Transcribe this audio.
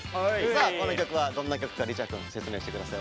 さあこの曲はどんな曲かリチャくん説明して下さい。